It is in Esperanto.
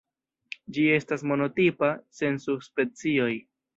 Ĝi estas monotipa, sen subspecioj.